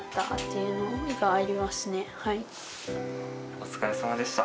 お疲れさまでした。